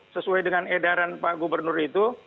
sesuai dengan edaran pak gubernur itu